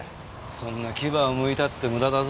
そんな牙をむいたって無駄だぞ。